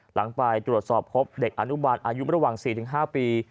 หลังไปตรวจสอบพบเด็กอนุบาลอายุระหว่าง๔๕ปี